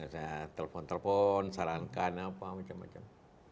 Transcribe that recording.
saya telpon telpon sarankan apa macam macam